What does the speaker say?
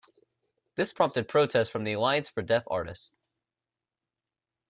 This prompted protests from the Alliance for Deaf Artists.